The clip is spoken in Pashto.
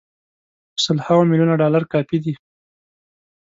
په سل هاوو میلیونه ډالر کافي دي.